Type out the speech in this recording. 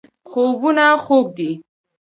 خوبونه خوږ دي.